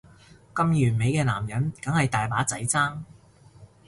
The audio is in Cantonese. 咁完美嘅男人梗係大把仔爭